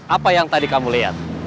apa yang tadi kamu lihat